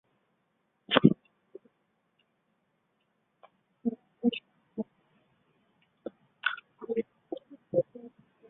之后成为足球教练。